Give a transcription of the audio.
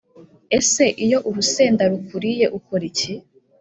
Ese iyo urusenda rukuriye ukora iki?